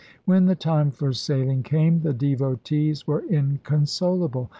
When the time for sailing came, the devotees were inconsolable.